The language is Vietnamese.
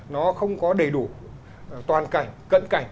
nó không có đầy đủ toàn cảnh cận cảnh